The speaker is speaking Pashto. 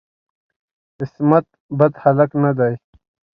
عصمت بد هلک نه دی.